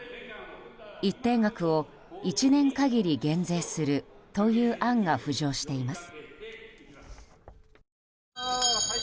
一定額を１年限り減税するという案が浮上しています。